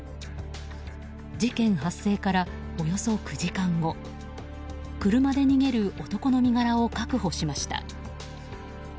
事件発生から、およそ９時間後車で逃げる男の身柄を確保しました。